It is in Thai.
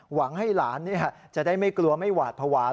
หวังให้หลานจะได้ไม่กลัวไม่หวาดภาวะ